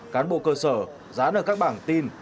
cán bộ cơ sở gián ở các bảng tin